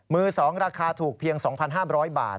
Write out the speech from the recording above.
มือ๒ราคาถูกเพียง๒๕๐๐บาท